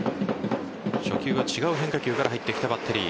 初球は違う変化球から入ってきたバッテリー。